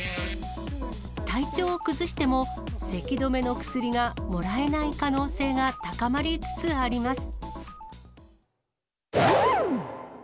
体調を崩しても、せき止めの薬がもらえない可能性が高まりつつあります。